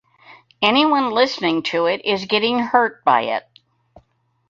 Anyone listening to it is getting hurt by it.